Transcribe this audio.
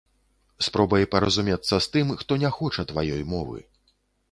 Спробай паразумецца з тым, хто не хоча тваёй мовы.